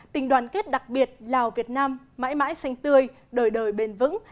tình đoàn kết đặc biệt lào việt nam mãi mãi xanh tươi đời đời bền vững